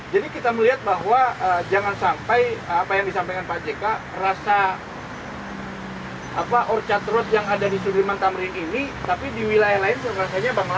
sama jadi kita melihat bahwa jangan sampai apa yang disampaikan pak jk rasa orca trot yang ada di sudirman tamrin ini tapi di wilayah lain sepertinya bangkang bangkang